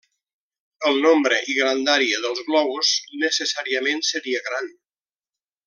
El nombre i grandària dels globus necessàriament seria gran.